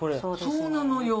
そうなのよ。